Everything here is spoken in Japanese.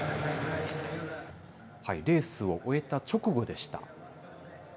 レースを終えた直後でした。